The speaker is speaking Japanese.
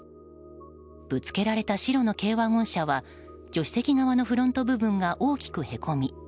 ぶつけられた白の軽ワゴン車は助手席側のフロント部分が大きくへこみ